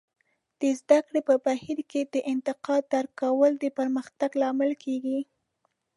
د زده کړې په بهیر کې د انتقاد درک کول د پرمختګ لامل کیږي.